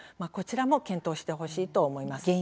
こちらも検討してほしいと思います。